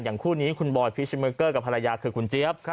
คู่นี้คุณบอยพิชเมอร์เกอร์กับภรรยาคือคุณเจี๊ยบ